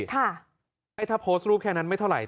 ไอ้ถ้าโพสต์รูปแค่นั้นไม่เท่าไห